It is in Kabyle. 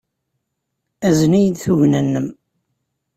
Azen-iyi-d tugna-nnem.